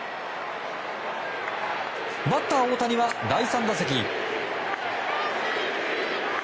バッター大谷は第３打席。